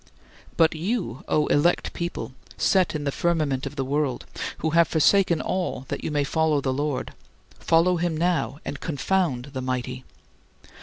25. But you, O elect people, set in the firmament of the world, who have forsaken all that you may follow the Lord: follow him now, and confound the mighty!